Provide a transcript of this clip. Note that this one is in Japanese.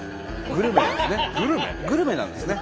グルメなんですね。